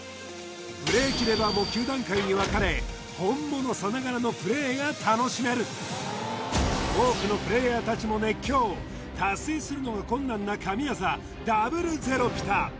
ブレーキレバーも９段階に分かれ本物さながらのプレーが楽しめる多くのプレイヤーたちも熱狂達成するのが困難な神業ダブルゼロピタ